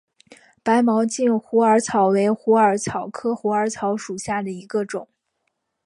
白毛茎虎耳草为虎耳草科虎耳草属下的一个种。